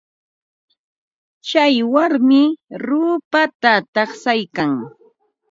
Tsay warmi ruupata taqshaykan.